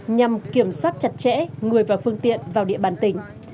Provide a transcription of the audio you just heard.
nhằm kiểm soát chặt chẽ người và phương tiện vào địa bàn tỉnh